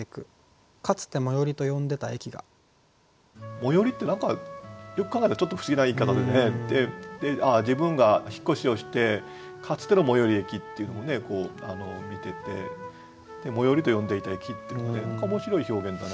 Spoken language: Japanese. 最寄りって何かよく考えたらちょっと不思議な言い方でね自分が引っ越しをしてかつての最寄り駅っていうのを見てて「最寄りと呼んでた駅」ってのがね面白い表現だな。